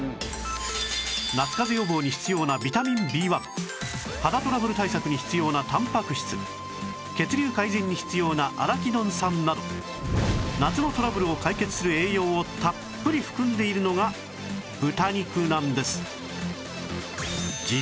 夏かぜ予防に必要なビタミン Ｂ１ 肌トラブル対策に必要なたんぱく質血流改善に必要なアラキドン酸など夏のトラブルを解決する栄養をたっぷり含んでいるのが豚肉なんです